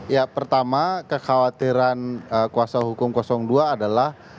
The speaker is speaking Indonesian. ya pertama kekhawatiran kuasa hukum dua adalah